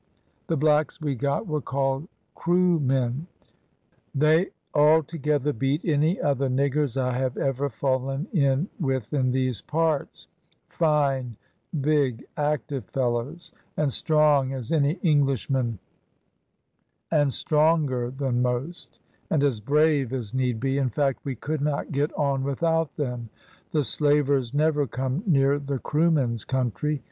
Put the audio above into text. The blacks we got were called Kroomen; they altogether beat any other niggers I have ever fallen in with in these parts fine, big, active fellows, and strong as any Englishman, and stronger than most, and as brave as need be; in fact, we could not get on without them. The slavers never come near the Kroomen's country.